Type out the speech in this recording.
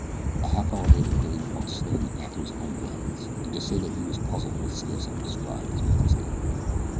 A half hour later Billy walked slowly back to his own blankets, and to say that he was puzzled would scarce have described his mental state.